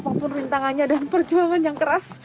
apapun rintangannya dan perjuangan yang keras